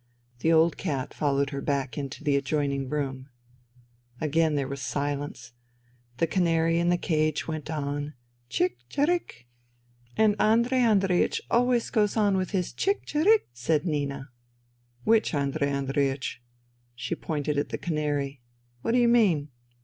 The old cat followed her back into the adjoining room. Again there was silence. The canary in the cage went on :" Chic !... cherric !..."" And Andrei Andreiech always goes on with his Chic !... cherric !..." said Nina. " Which Andrei Andreiech ?" She pointed at the canary. " What do you mean